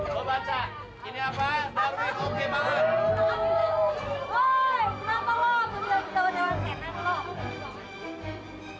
lo baca ini apa darwet oke banget